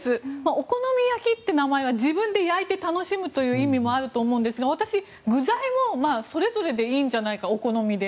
お好み焼きっていう名前は自分で焼いて楽しむという意味があると思うんですが私、具材もそれぞれでいいんじゃないかお好みで。